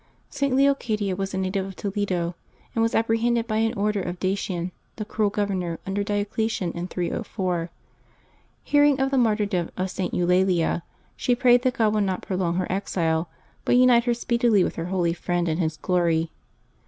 [T. Leocadia was a native of Toledo, and was appre hended by an order of I>acian, the cruel governor under Diocletian in 304. Hearing of the martyrdom of St. Eulalia, she prayed that God would not prolong her exile, but unite her speedily with her holy friend in His glory.